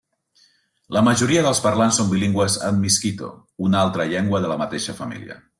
La majoria dels parlants són bilingües en miskito, una altra llengua de la mateixa família.